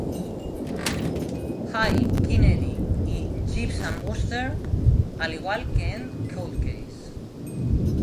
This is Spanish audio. High", "Keen Eddie" y "Jeeves and Wooster", al igual que en "Cold Case".